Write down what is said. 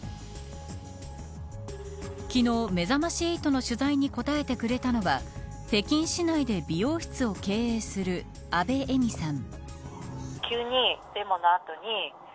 昨日、めざまし８の取材に答えてくれたのは北京市内で美容室を経営する阿部恵美さん。